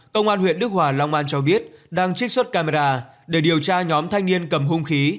công an huyện đức hòa long an cho biết đang trích xuất camera để điều tra nhóm thanh niên cầm hung khí